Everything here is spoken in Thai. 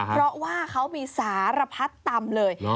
เพราะว่าเขามีสารพัดตำเลย